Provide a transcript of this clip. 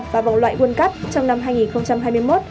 và vòng loại world cup trong năm hai nghìn hai mươi một